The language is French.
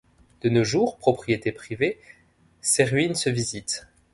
De nos jours propriété privée, ses ruines se visitent.